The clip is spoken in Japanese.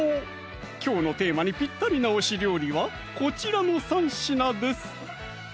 きょうのテーマにピッタリな推し料理はこちらの３品です